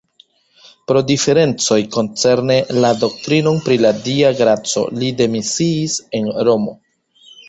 Pro diferencoj koncerne la doktrinon pri la Dia graco li demisiis en Romo.